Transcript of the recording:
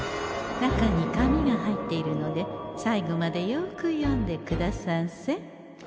中に紙が入っているので最後までよく読んでくださんせ。